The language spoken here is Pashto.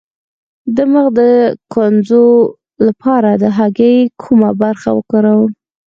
د مخ د ګونځو لپاره د هګۍ کومه برخه وکاروم؟